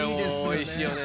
おいしいよね。